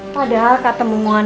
padahal kata mumuan